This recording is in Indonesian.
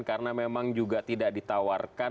karena memang juga tidak ditawarkan